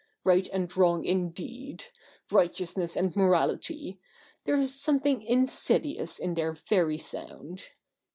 Right and wrong, indeed ! Righteousness and morality ! There is something insidious in their very sound.